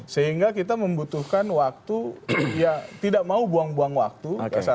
sehingga kita membutuhkan waktu ya tidak mau buang buang waktu